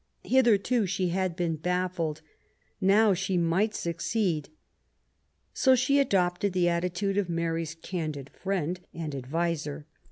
Hitherto she had been baffled i now she might succeed. So she adojrted the attitude of Mary's candid friend and adviser.